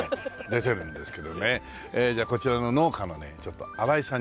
じゃあこちらの農家のねちょっと荒井さんに。